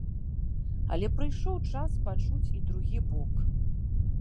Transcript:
Але прыйшоў час пачуць і другі бок.